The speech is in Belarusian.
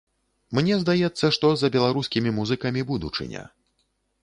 Мне здаецца, што за беларускімі музыкамі будучыня.